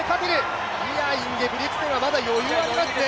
インゲブリクセンはまだ余裕がありますね。